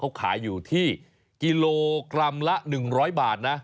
เขาขายอยู่ที่กิโลกรัมละ๑๐๐บาทนะ